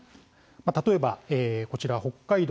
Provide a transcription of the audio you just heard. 例えばこちら北海道